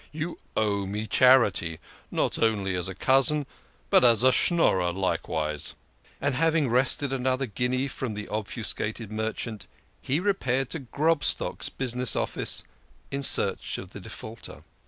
You owe me charity, not only as a cousin, but as a Schnorrer likewise." And, having wrested another guinea from the obfuscated merchant, he repaired to Grobstock's business office in search of the defaulter.